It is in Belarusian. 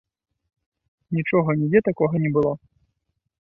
Нічога нідзе такога не было.